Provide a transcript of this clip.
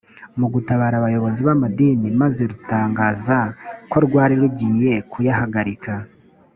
mu gutabara abayobozi b’amadini maze rutangaza ko rwari rugiye kuyahagarika